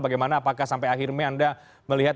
bagaimana apakah sampai akhirnya anda melihat